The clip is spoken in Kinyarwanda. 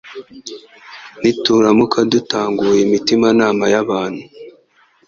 Nituramuka dukanguye imitimanama y’abantu